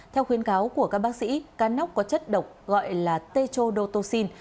theo khuyến cáo của các bác sĩ cá nóc có chất độc gọi là t chodotoxin